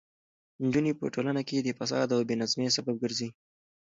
نجونې په ټولنه کې د فساد او بې نظمۍ سبب ګرځي.